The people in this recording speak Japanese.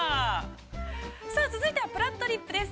◆さあ、続いてはぷらっとりっぷです。